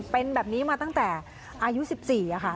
เป็นแบบนี้มาตั้งแต่อายุ๑๔ค่ะ